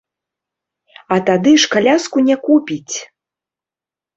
А тады ж каляску не купіць!